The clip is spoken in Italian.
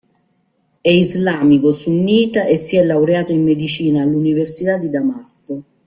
È islamico sunnita e si è laureato in medicina all'Università di Damasco.